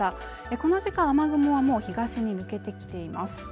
この時間雨雲はもう東に抜けてきています。